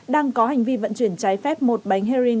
đang có hành vi vận chuyển trái phép một bánh heroin